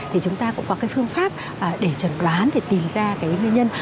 thì chúng ta cũng có cái phương pháp để chẩn đoán để tìm ra cái nguyên nhân